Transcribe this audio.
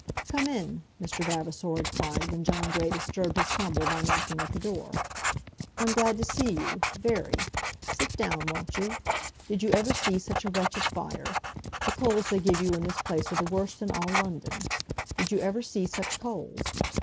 "Come in!" Mr. Vavasor had cried when John Grey disturbed his slumber by knocking at the door. "I'm glad to see you, very. Sit down; won't you? Did you ever see such a wretched fire? The coals they give you in this place are the worst in all London. Did you ever see such coals?"